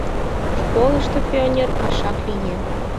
Школышто пионер кашак лие.